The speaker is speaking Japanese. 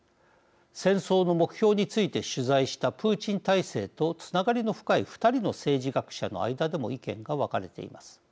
戦争の目標について取材したプーチン体制とつながりの深い２人の政治学者の間でも意見が分かれています。